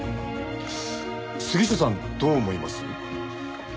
杉下さんどう思います？